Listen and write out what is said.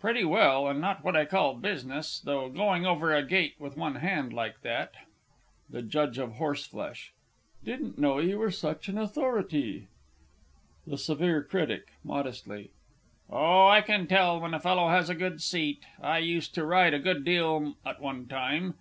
Pretty well not what I call business, though going over a gate with one hand, like that. THE J. OF H. Didn't know you were such an authority. THE S. C. (modestly). Oh, I can tell when a fellow has a good seat. I used to ride a good deal at one time.